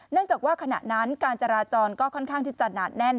จากว่าขณะนั้นการจราจรก็ค่อนข้างที่จะหนาดแน่น